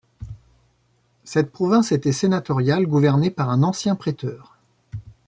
Cette province était sénatoriale gouvernée par un ancien préteur.